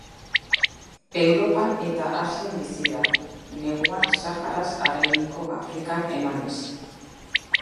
Europan eta Asian bizi da, neguan Saharaz haraindiko Afrikan emanez.